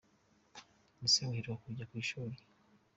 Ese uheruka kujya ku ishuli.